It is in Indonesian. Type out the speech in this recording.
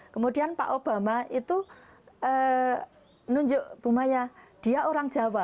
kemudian pak obama itu nunjuk bu maya dia orang jawa